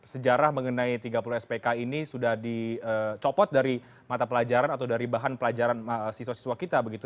sejarah mengenai tiga puluh spk ini sudah dicopot dari mata pelajaran atau dari bahan pelajaran siswa siswa kita begitu